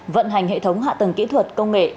vận hành hệ thống hạ tầng kỹ thuật công nghệ